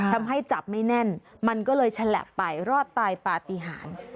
ทำให้จับไม่แน่นมันก็เลยฉลับไปรอดตายปฏิหาร